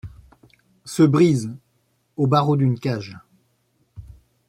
Se brise. aux barreaux d'une cage